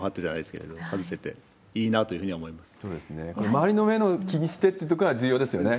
周りの目を気にしてというところが重要ですよね。